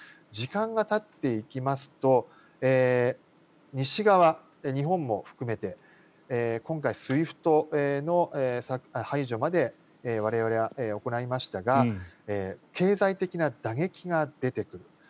時間がたっていきますと西側、日本も含めて今回、ＳＷＩＦＴの排除まで我々は行いましたが経済的な打撃が出てくる。